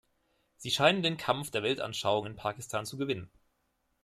Sie scheinen den Kampf der Weltanschauungen in Pakistan zu gewinnen.